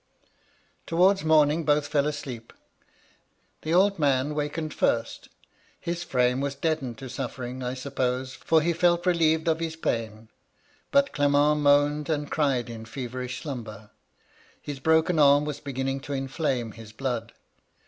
Towards morning both fell asleep. The old 182 MY LADY LUDLOW. man wakened first His frame was deadened to suf fering, I suppose, for he felt relieved of his pain ; but G^ment moaned and cried in feverish slumber. His broken arm was beginning to inflame his blood.